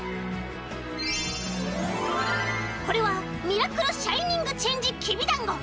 これはミラクルシャイニングチェンジきびだんご！